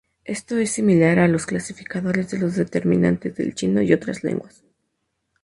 Esto es similar a los clasificadores de los determinantes del chino y otras lenguas.